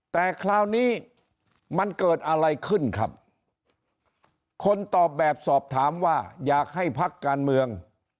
แต่คราวนี้มันเกิดอะไรขึ้นครับคนตอบแบบสอบถามว่าอยากให้พักการเมือง